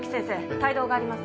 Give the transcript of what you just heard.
体動があります